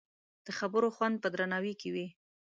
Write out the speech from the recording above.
د خبرو خوند په درناوي کې دی